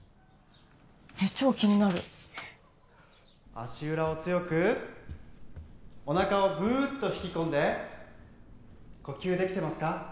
えっ超気になるねっ足裏を強くおなかをグーッと引き込んで呼吸できてますか？